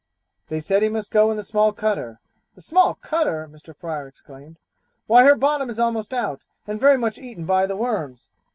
They said he must go in the small cutter. 'The small cutter!' Mr. Fryer exclaimed; 'why her bottom is almost out, and very much eaten by the worms!'